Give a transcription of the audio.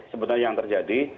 sebenarnya yang terjadi